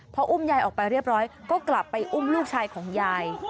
พออุ้มยายออกไปเรียบร้อยก็กลับไปอุ้มลูกชายของยาย